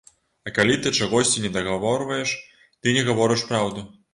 А калі ты чагосьці недагаворваеш, ты не гаворыш праўду.